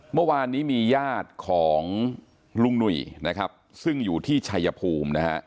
เมื่อวานนี้มีญาติของลุงหนุ่ยนะครับซึ่งอยู่ที่ชัยภูมินะฮะ